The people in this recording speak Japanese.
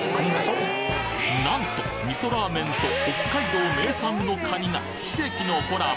なんと味噌ラーメンと北海道名産のカニが奇跡のコラボ！